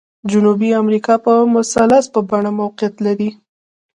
جنوبي امریکا په مثلث په بڼه موقعیت لري.